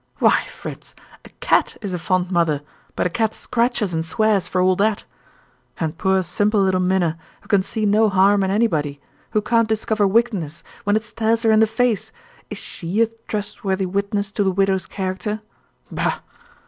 Why, Fritz, a cat is a fond mother; but a cat scratches and swears for all that! And poor simple little Minna, who can see no harm in anybody, who can't discover wickedness when it stares her in the face is she a trustworthy witness to the widow's character? Bah!